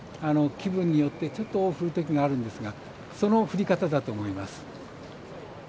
気分によって、尾を振るときがあるんですがその振り方だと思います。